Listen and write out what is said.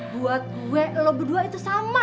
buat gue lo berdua itu sama